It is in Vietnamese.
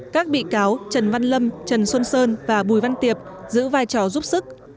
các bị cáo trần văn lâm trần xuân sơn và bùi văn tiệp giữ vai trò giúp sức